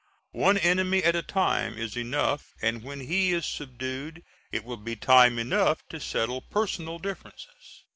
One enemy at a time is enough and when he is subdued it will be time enough to settle personal differences.